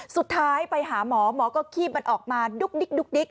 สุดท้ายไปหาหมอหมอก็คีบมันออกมาดุ๊กดิ๊ก